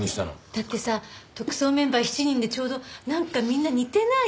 だってさ特捜メンバー７人でちょうどなんかみんな似てない？